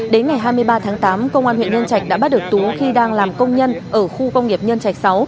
đến ngày hai mươi ba tháng tám công an huyện nhân trạch đã bắt được tú khi đang làm công nhân ở khu công nghiệp nhân trạch sáu